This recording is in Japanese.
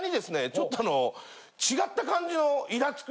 ちょっとあの違った感じの。